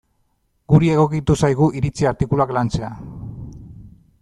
Guri egokitu zaigu iritzi artikuluak lantzea.